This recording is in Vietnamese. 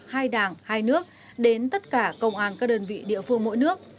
hai đảng hai nước đến tất cả công an các đơn vị địa phương mỗi nước